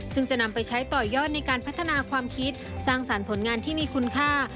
ซึ่งจะนำไปใช้ต่อยอดในการพัฒนาความคิดสร้างสรรค์ผลงานที่มีคุณค่า